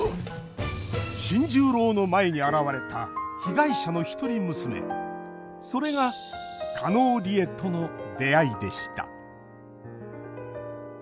新十郎の前に現れた被害者の一人娘それが加納梨江との出会いでした